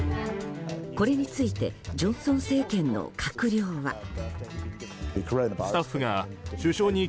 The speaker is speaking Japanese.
これについてジョンソン政権の閣僚は。